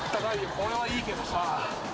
これはいいけどさ。